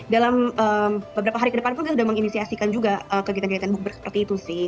dalam beberapa hari ke depan pun kita sudah menginisiasikan juga kegiatan kegiatan bukberg seperti itu sih